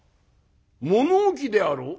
物置であろう？」。